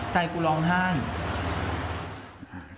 ใจกูร้องห้าง